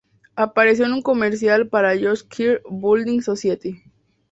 Apareció en un comercial para Yorkshire Building Society.